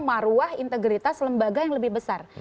maruah integritas lembaga yang lebih besar